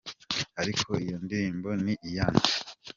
Ariko iyo ndirimbo ni iyande.